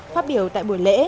phát biểu tại buổi lễ